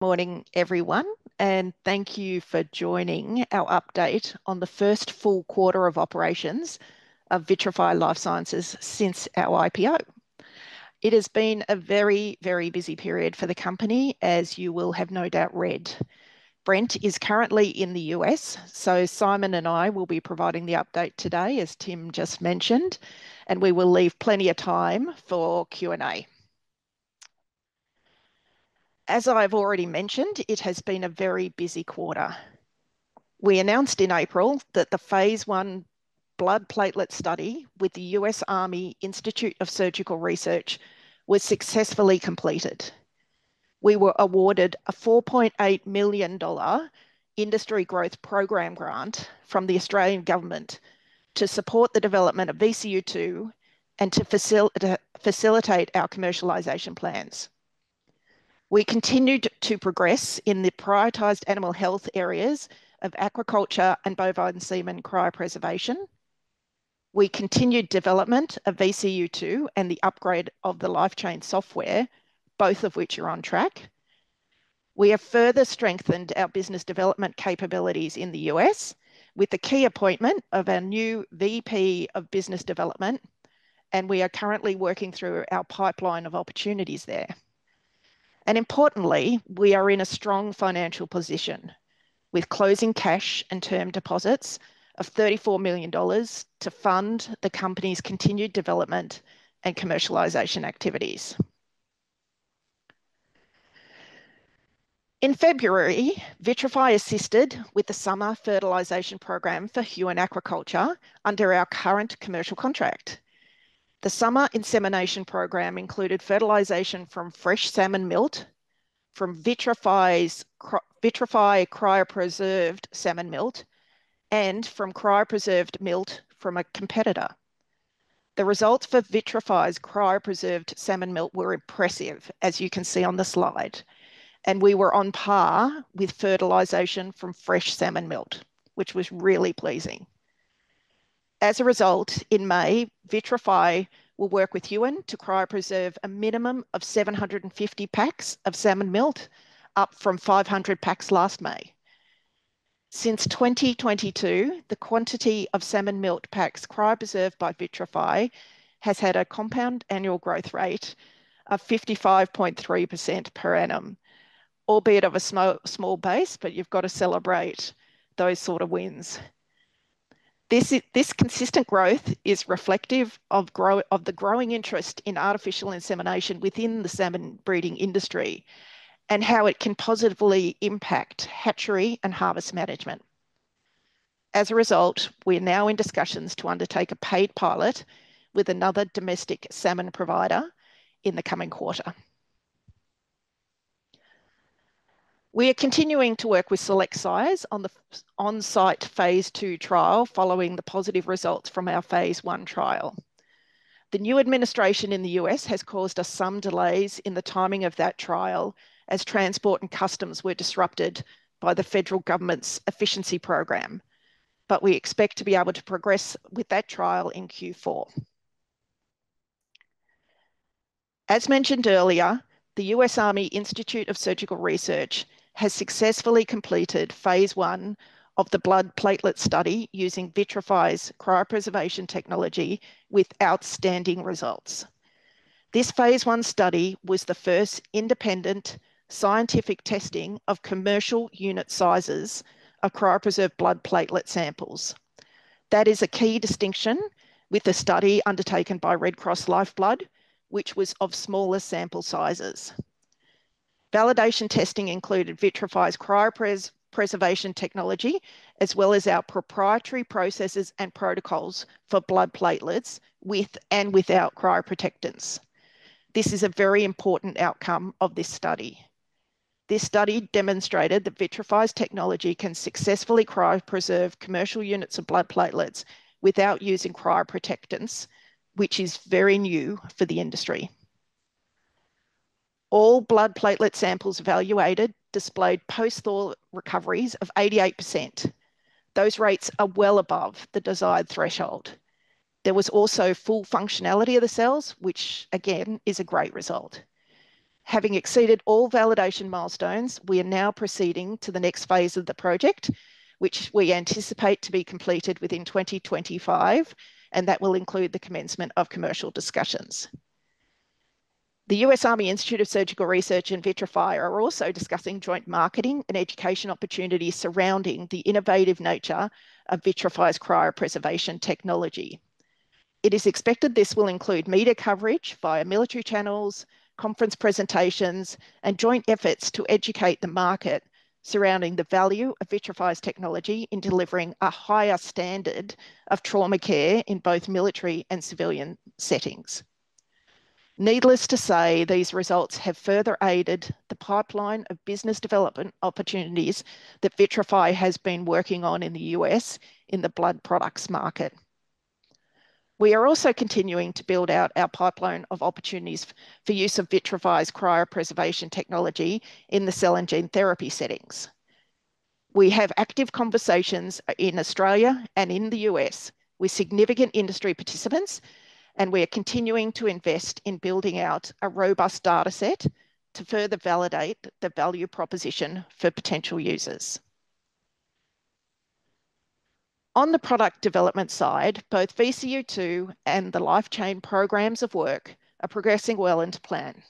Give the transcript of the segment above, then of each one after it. Morning, everyone, and thank you for joining our update on the first full quarter of operations of Vitrafy Life Sciences since our IPO. It has been a very, very busy period for the company, as you will have no doubt read. Brent is currently in the U.S., so Simon and I will be providing the update today, as Tim just mentioned, and we will leave plenty of time for Q&A. As I've already mentioned, it has been a very busy quarter. We announced in April that the Phase 1 blood platelet study with the United States Army Institute of Surgical Research was successfully completed. We were awarded a 4.8 million dollar Industry Growth Program grant from the Australian government to support the development of VCU2 and to facilitate our commercialization plans. We continued to progress in the prioritized animal health areas of aquaculture and bovine semen cryopreservation. We continued development of VCU2 and the upgrade of the LifeChain software, both of which are on track. We have further strengthened our business development capabilities in the U.S. with the key appointment of our new VP of Business Development, and we are currently working through our pipeline of opportunities there. And importantly, we are in a strong financial position with closing cash and term deposits of 34 million dollars to fund the company's continued development and commercialization activities. In February, Vitrafy assisted with the summer fertilization program for Huon Aquaculture under our current commercial contract. The summer insemination program included fertilization from fresh salmon milt from Vitrafy's cryopreserved salmon milt and from cryopreserved milt from a competitor. The results for Vitrafy's cryopreserved salmon milt were impressive, as you can see on the slide, and we were on par with fertilization from fresh salmon milt, which was really pleasing. As a result, in May, Vitrafy will work with Huon to cryopreserve a minimum of 750 packs of salmon milt, up from 500 packs last May. Since 2022, the quantity of salmon milt packs cryopreserved by Vitrafy has had a compound annual growth rate of 55.3% per annum, albeit of a small base, but you've got to celebrate those sort of wins. This consistent growth is reflective of the growing interest in artificial insemination within the salmon breeding industry and how it can positively impact hatchery and harvest management. As a result, we're now in discussions to undertake a paid pilot with another domestic salmon provider in the coming quarter. We are continuing to work with Select Sires on the on-site Phase II trial following the positive results from our Phase I trial. The new administration in the U.S. has caused us some delays in the timing of that trial as transport and customs were disrupted by the federal government's efficiency program, but we expect to be able to progress with that trial in Q4. As mentioned earlier, the U.S. Army Institute of Surgical Research has successfully completed Phase 1 of the blood platelet study using Vitrafy's cryopreservation technology with outstanding results. This phase one study was the first independent scientific testing of commercial unit sizes of cryopreserved blood platelet samples. That is a key distinction with the study undertaken by Australian Red Cross Lifeblood, which was of smaller sample sizes. Validation testing included Vitrafy's cryopreservation technology as well as our proprietary processes and protocols for blood platelets with and without cryoprotectants. This is a very important outcome of this study. This study demonstrated that Vitrafy's technology can successfully cryopreserve commercial units of blood platelets without using cryoprotectants, which is very new for the industry. All blood platelet samples evaluated displayed post-thaw recoveries of 88%. Those rates are well above the desired threshold. There was also full functionality of the cells, which again is a great result. Having exceeded all validation milestones, we are now proceeding to the next phase of the project, which we anticipate to be completed within 2025, and that will include the commencement of commercial discussions. The United States Army Institute of Surgical Research and Vitrafy are also discussing joint marketing and education opportunities surrounding the innovative nature of Vitrafy's cryopreservation technology. It is expected this will include media coverage via military channels, conference presentations, and joint efforts to educate the market surrounding the value of Vitrafy's technology in delivering a higher standard of trauma care in both military and civilian settings. Needless to say, these results have further aided the pipeline of business development opportunities that Vitrafy has been working on in the U.S. in the blood products market. We are also continuing to build out our pipeline of opportunities for use of Vitrafy's cryopreservation technology in the cell and gene therapy settings. We have active conversations in Australia and in the U.S. with significant industry participants, and we are continuing to invest in building out a robust data set to further validate the value proposition for potential users. On the product development side, both VCU2 and the LifeChain programs of work are progressing well into plan.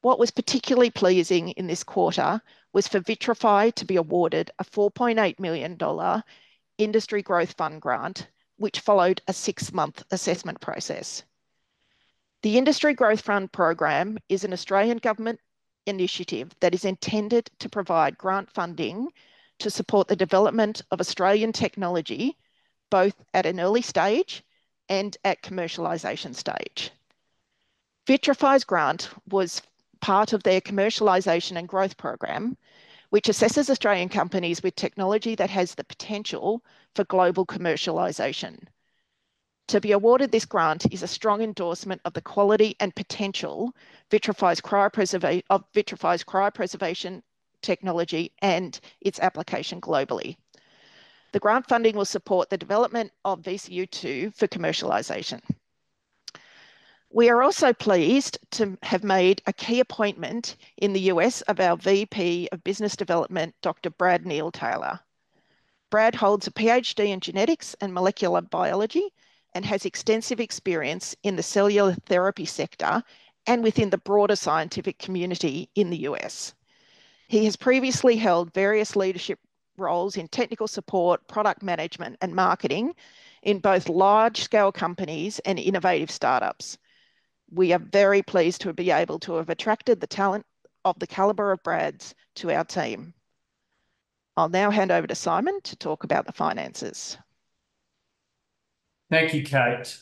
What was particularly pleasing in this quarter was for Vitrafy to be awarded a 4.8 million dollar Industry Growth Program grant, which followed a six-month assessment process. The Industry Growth Program is an Australian government initiative that is intended to provide grant funding to support the development of Australian technology both at an early stage and at commercialization stage. Vitrafy's grant was part of their commercialization and growth program, which assesses Australian companies with technology that has the potential for global commercialization. To be awarded this grant is a strong endorsement of the quality and potential of Vitrafy's cryopreservation technology and its application globally. The grant funding will support the development of VCU2 for commercialization. We are also pleased to have made a key appointment in the U.S. of our VP of Business Development, Dr. Brad Neal Taylor. Brad holds a PhD in genetics and molecular biology and has extensive experience in the cellular therapy sector and within the broader scientific community in the U.S. He has previously held various leadership roles in technical support, product management, and marketing in both large-scale companies and innovative startups. We are very pleased to be able to have attracted the talent of the caliber of Brad's to our team. I'll now hand over to Simon to talk about the finances. Thank you, Kate.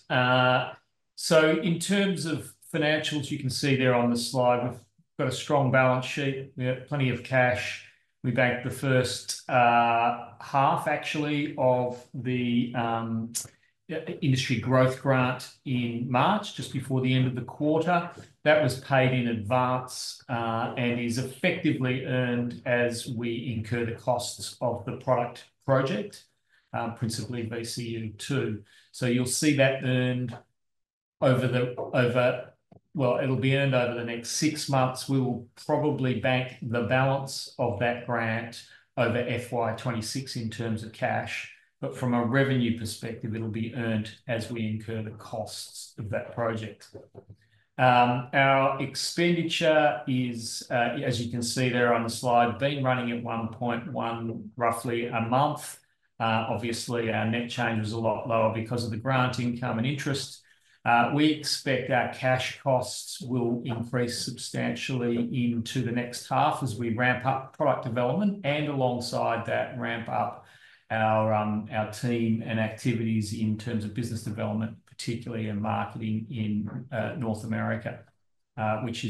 So in terms of financials, you can see there on the slide, we've got a strong balance sheet. We have plenty of cash. We banked the first half, actually, of the industry growth grant in March, just before the end of the quarter. That was paid in advance and is effectively earned as we incur the costs of the product project, principally VCU2. So you'll see that earned over the, well, it'll be earned over the next six months. We will probably bank the balance of that grant over FY 2026 in terms of cash, but from a revenue perspective, it'll be earned as we incur the costs of that project. Our expenditure is, as you can see there on the slide, been running at 1.1 roughly a month. Obviously, our net change was a lot lower because of the grant income and interest. We expect our cash costs will increase substantially into the next half as we ramp up product development and alongside that, ramp up our team and activities in terms of business development, particularly in marketing in North America, which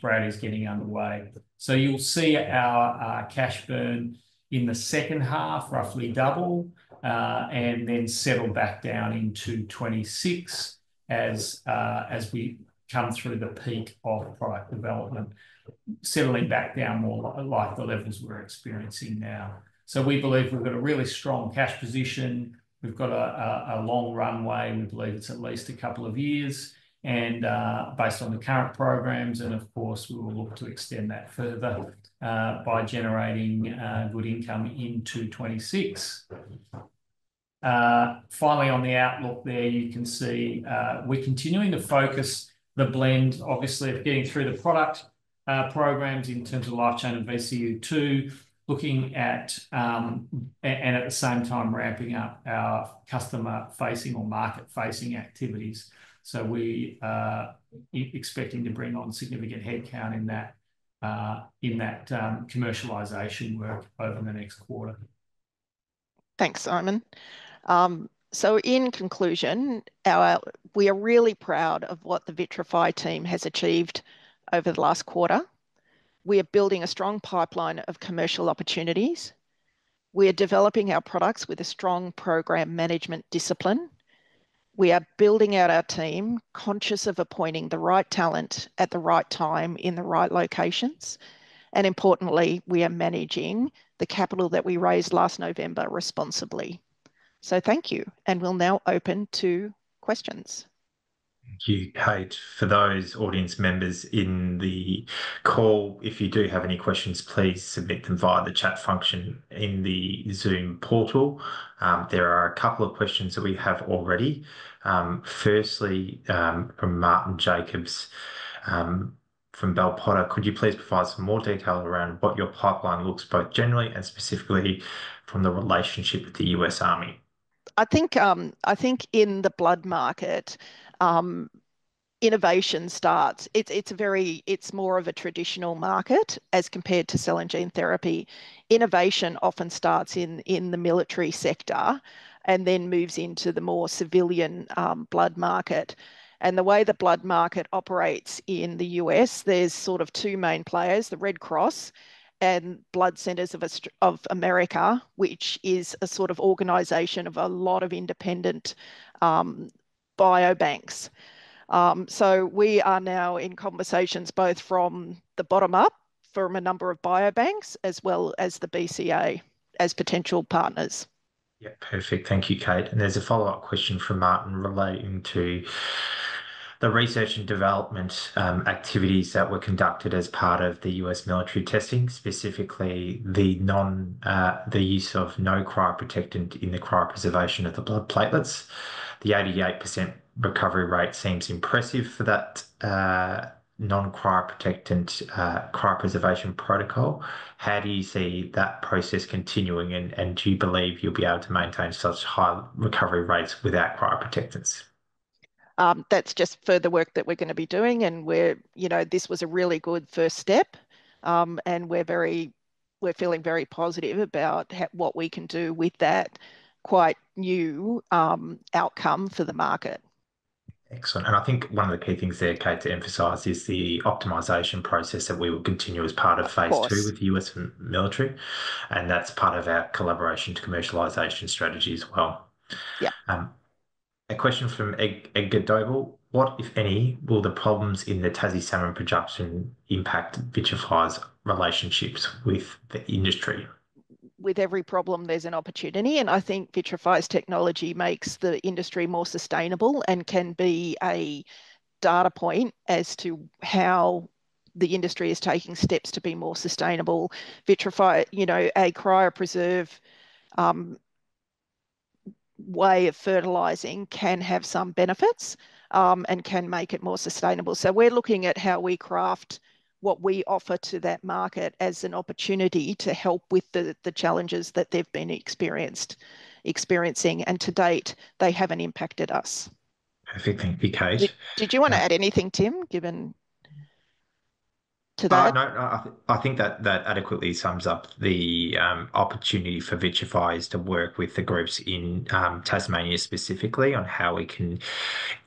Brad is getting underway. So you'll see our cash burn in the second half roughly double and then settle back down into 2026 as we come through the peak of product development, settling back down more like the levels we're experiencing now. So we believe we've got a really strong cash position. We've got a long runway. We believe it's at least a couple of years and based on the current programs. And of course, we will look to extend that further by generating good income into 2026. Finally, on the outlook there, you can see we're continuing to focus the blend, obviously, of getting through the product programs in terms of LifeChain and VCU2, looking at, and at the same time, ramping up our customer-facing or market-facing activities. So we are expecting to bring on significant headcount in that commercialization work over the next quarter. Thanks, Simon. So in conclusion, we are really proud of what the Vitrafy team has achieved over the last quarter. We are building a strong pipeline of commercial opportunities. We are developing our products with a strong program management discipline. We are building out our team conscious of appointing the right talent at the right time in the right locations. And importantly, we are managing the capital that we raised last November responsibly. So thank you, and we'll now open to questions. Thank you, Kate. For those audience members in the call, if you do have any questions, please submit them via the chat function in the Zoom portal. There are a couple of questions that we have already. Firstly, from Martin Jacobs from Bell Potter, could you please provide some more detail around what your pipeline looks both generally and specifically from the relationship with the US Army? I think in the blood market, innovation starts. It's more of a traditional market as compared to cell and gene therapy. Innovation often starts in the military sector and then moves into the more civilian blood market. And the way the blood market operates in the U.S., there's sort of two main players, the Red Cross and Blood Centers of America, which is a sort of organization of a lot of independent biobanks. So we are now in conversations both from the bottom up, from a number of biobanks, as well as the BCA as potential partners. Yeah, perfect. Thank you, Kate. And there's a follow-up question from Martin relating to the research and development activities that were conducted as part of the U.S. military testing, specifically the use of no cryoprotectant in the cryopreservation of the blood platelets. The 88% recovery rate seems impressive for that non-cryoprotectant cryopreservation protocol. How do you see that process continuing, and do you believe you'll be able to maintain such high recovery rates without cryoprotectants? That's just further work that we're going to be doing, and this was a really good first step, and we're feeling very positive about what we can do with that quite new outcome for the market. Excellent. And I think one of the key things there, Kate, to emphasize is the optimization process that we will continue as part of Phase Two with the U.S. military, and that's part of our collaboration to commercialization strategy as well. A question from Edgar Doble. What, if any, will the problems in the Tassie salmon production impact Vitrafy's relationships with the industry? With every problem, there's an opportunity, and I think Vitrafy's technology makes the industry more sustainable and can be a data point as to how the industry is taking steps to be more sustainable. Vitrafy, a cryopreservation way of fertilizing can have some benefits and can make it more sustainable. So we're looking at how we craft what we offer to that market as an opportunity to help with the challenges that they've been experiencing. And to date, they haven't impacted us. Perfect. Thank you, Kate. Did you want to add anything, Tim, given that? I think that adequately sums up the opportunity for Vitrafy to work with the groups in Tasmania specifically on how we can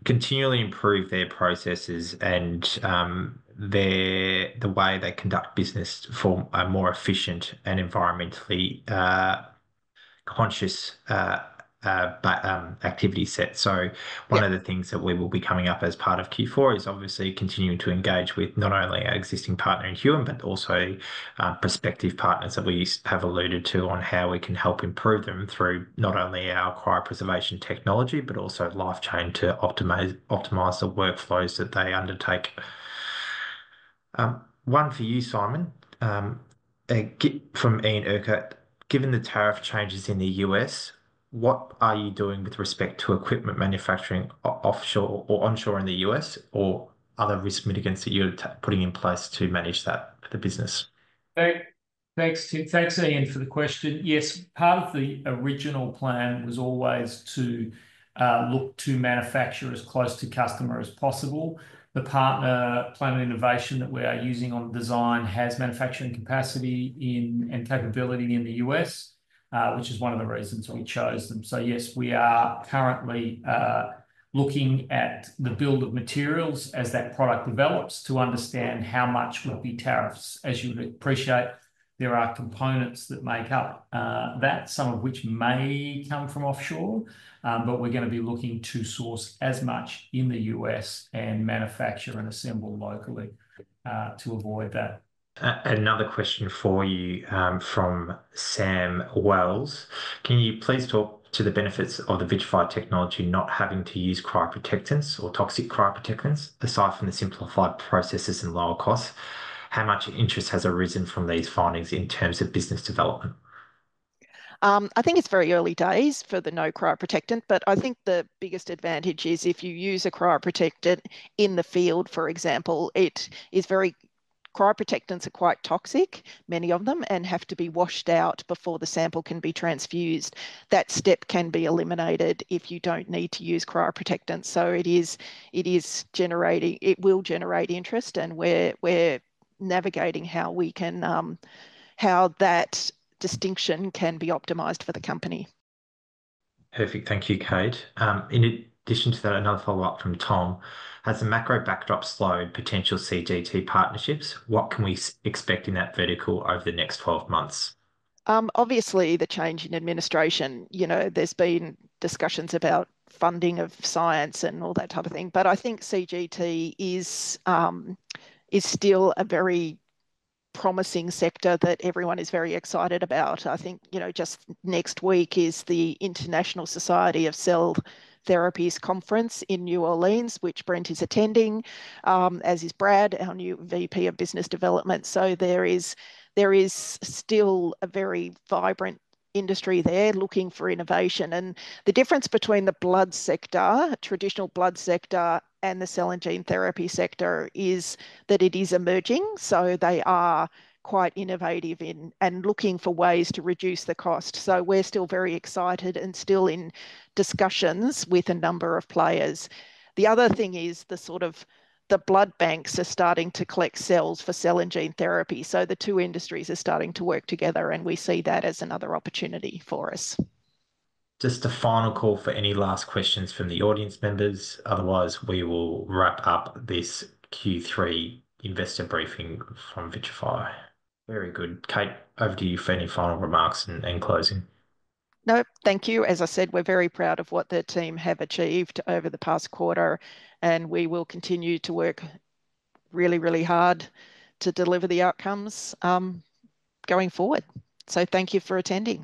continually improve their processes and the way they conduct business for a more efficient and environmentally conscious activity set. So one of the things that we will be coming up as part of Q4 is obviously continuing to engage with not only our existing partner in Huon, but also prospective partners that we have alluded to on how we can help improve them through not only our cryopreservation technology, but also LifeChain to optimize the workflows that they undertake. One for you, Simon, from Ian Urquhart. Given the tariff changes in the U.S., what are you doing with respect to equipment manufacturing offshore or onshore in the U.S. or other risk mitigants that you're putting in place to manage that for the business? Thanks, Tim. Thanks, Ian, for the question. Yes, part of the original plan was always to look to manufacture as close to customer as possible. The partner Planet Innovation that we are using on design has manufacturing capacity and capability in the US, which is one of the reasons we chose them. So yes, we are currently looking at the bill of materials as that product develops to understand how much the tariffs would be. As you would appreciate, there are components that make up that, some of which may come from offshore, but we're going to be looking to source as much in the U.S. and manufacture and assemble locally to avoid that. Another question for you from Sam Wells. Can you please talk to the benefits of the Vitrafy technology not having to use cryoprotectants or toxic cryoprotectants aside from the simplified processes and lower costs? How much interest has arisen from these findings in terms of business development? I think it's very early days for the no cryoprotectant, but I think the biggest advantage is if you use a cryoprotectant in the field, for example, cryoprotectants are quite toxic, many of them, and have to be washed out before the sample can be transfused. That step can be eliminated if you don't need to use cryoprotectants. So it will generate interest, and we're navigating how that distinction can be optimized for the company. Perfect. Thank you, Kate. In addition to that, another follow-up from Tom. Has the macro backdrop slowed potential CGT partnerships? What can we expect in that vertical over the next 12 months? Obviously, the change in administration. There's been discussions about funding of science and all that type of thing, but I think CGT is still a very promising sector that everyone is very excited about. I think just next week is the International Society for Cell & Gene Therapy conference in New Orleans, which Brent is attending, as is Brad, our new VP of Business Development. So there is still a very vibrant industry there looking for innovation. And the difference between the blood sector, traditional blood sector, and the cell and gene therapy sector is that it is emerging. So they are quite innovative and looking for ways to reduce the cost. So we're still very excited and still in discussions with a number of players. The other thing is sort of the blood banks are starting to collect cells for cell and gene therapy. So the two industries are starting to work together, and we see that as another opportunity for us. Just a final call for any last questions from the audience members. Otherwise, we will wrap up this Q3 investor briefing from Vitrafy. Very good. Kate, over to you for any final remarks and closing. No, thank you. As I said, we're very proud of what the team have achieved over the past quarter, and we will continue to work really, really hard to deliver the outcomes going forward. So thank you for attending.